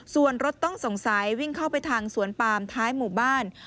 ส่วนรถต้องสงสัยวิ่งเข้าไปทางสวนปามท้ายหมู่บ้าน